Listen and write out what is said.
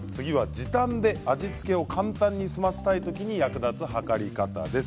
時短で味付けを簡単に済ませたい時に役立つはかり方です。